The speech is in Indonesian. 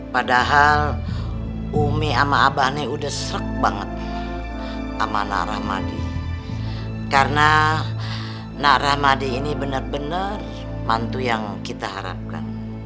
padahal umi sama abah nih udah serak banget sama nak rahmadi karena nak rahmadi ini bener bener mantu yang kita harapkan